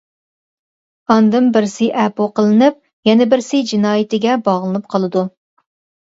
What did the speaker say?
ئاندىن بىرسى ئەپۇ قىلىنىپ، يەنە بىرسى جىنايىتىگە باغلىنىپ قالىدۇ.